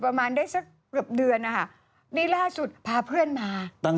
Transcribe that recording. หมาหมาหมาหมาหมาหมาหมาหมาหมาหมาหมาหมาหมา